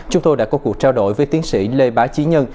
chúng tôi đã có cuộc trao đổi với tiến sĩ lê bá trí nhân